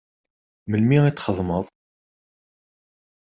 Melmi i t-txedmeḍ?